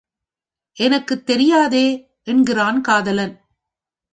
எனக்குத் தெரியாதே? என்கிறான் காதலன்.